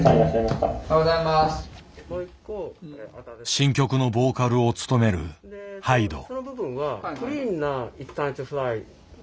新曲のボーカルを務めるＨＹＤＥ。